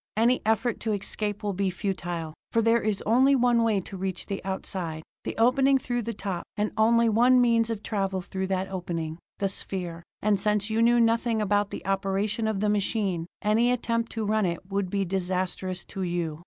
Any effort to escape will be futile, for there is only one way to reach the outside; the opening through the top; and only one means of travel through that opening: the sphere. And since you know nothing about the operation of the machine, any attempt to run it would be disastrous to you.